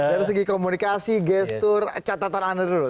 dari segi komunikasi gestur catatan anda dulu